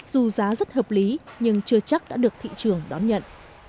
dù giá rất hợp lý nhưng chưa chắc đã được thị trường đón nhận